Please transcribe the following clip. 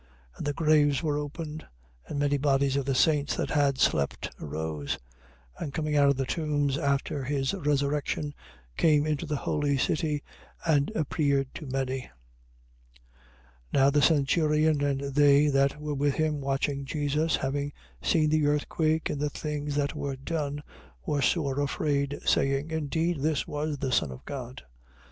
And the graves were opened: and many bodies of the saints that had slept arose, 27:53. And coming out of the tombs after his resurrection, came into the holy city and appeared to many. 27:54. Now the centurion and they that were with him watching Jesus, having seen the earthquake and the things that were done, were sore afraid, saying: Indeed this was the Son of God.